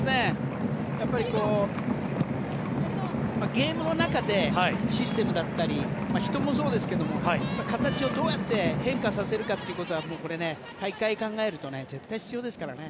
やっぱりゲームの中でシステムだったり人もそうですけども形をどうやって変化させるかということは大会を考えると絶対必要ですからね。